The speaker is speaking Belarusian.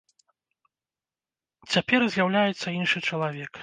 Цяпер з'яўляецца іншы чалавек.